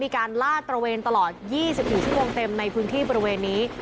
ลาดตระเวนตลอด๒๔ชั่วโมงเต็มในพื้นที่บริเวณนี้